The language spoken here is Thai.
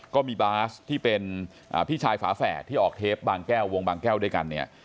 ก็มีบาสที่เป็นพี่ชายฝาแฝดที่ออกเทปบางแก้ววงบางแก้วด้วยกันเนี่ย